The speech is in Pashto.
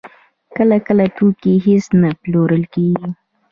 کله کله توکي هېڅ نه پلورل کېږي